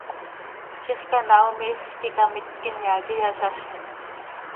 Ziix canaao miixz quih icamitc inyaa quih iyazazni.